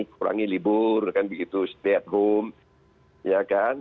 kurangi libur stay at home ya kan